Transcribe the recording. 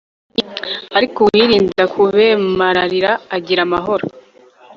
ariko uwirinda kubemararira agira amahoro